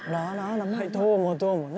どうもどうもね。